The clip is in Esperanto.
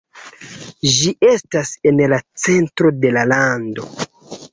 Ĝi estas en la centro de la lando.